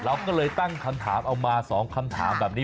เราก็เลยตั้งคำถามเอามา๒คำถามแบบนี้